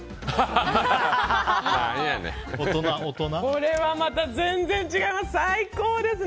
これはまた全然違います。